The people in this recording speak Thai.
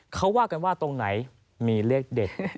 เขาว่ากันว่าตรงไหนมีเลขเด็ด